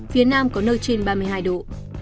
phía nam có nơi trên ba mươi hai độ